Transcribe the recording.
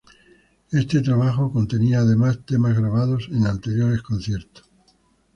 Este trabajó contenía además temas grabados en anteriores conciertos.